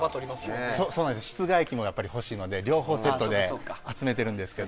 室外機も欲しいので両方セットで集めてるんですけど。